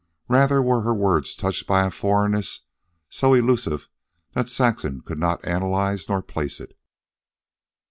Rather were her words touched by a foreignness so elusive that Saxon could not analyze nor place it.